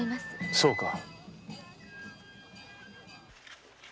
そうか。